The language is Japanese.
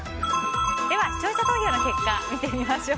視聴者投票の結果を見てみましょう。